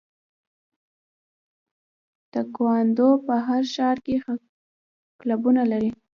تکواندو په هر ښار کې کلبونه لري.